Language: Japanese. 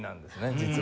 実は。